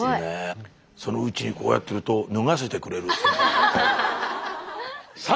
そのうちにこうやってると脱がせてくれる洗濯機。